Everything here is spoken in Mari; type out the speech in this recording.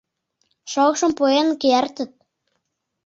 Шокшым пуэн кертыт.